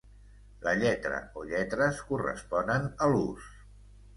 La lletra o lletres, corresponen a l'ús.